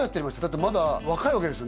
だってまだ若いわけですよね